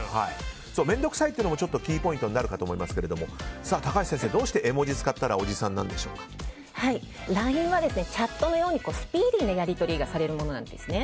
面倒くさいというのもキーポイントになるかと思いますが高橋先生どうして絵文字を使ったらＬＩＮＥはチャットのようにスピーディーにやりとりがされるものなんです。